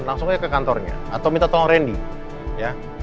langsung aja ke kantornya atau minta tolong randy ya